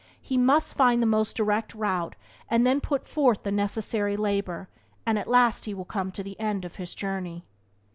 He must find the most direct route and then put forth the necessary labour, and at last he will come to the end of his journey.